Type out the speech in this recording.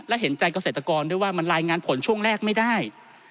และเห็นใจเกษตรกรด้วยว่ามันรายงานผลช่วงแรกไม่ได้